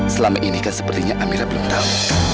selama ini kan sepertinya amira belum tahu